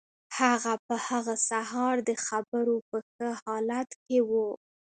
هغه په هغه سهار د خبرو په ښه حالت کې و